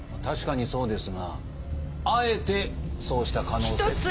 確かにそうですがあえてそうした可能性。